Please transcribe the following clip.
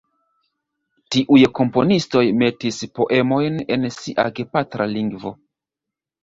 Tiuj komponistoj metis poemojn en sia gepatra lingvo.